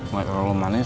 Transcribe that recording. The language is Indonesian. gak terlalu manis